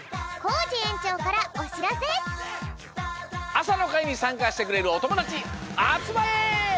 あさのかいにさんかしてくれるおともだちあつまれ！